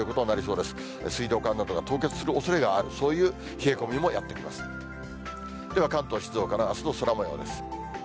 では、関東、静岡のあすの空もようです。